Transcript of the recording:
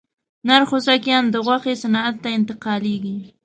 نر خوسکایان د غوښې صنعت ته انتقالېږي.